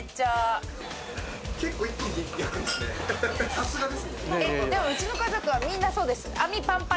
さすがですね。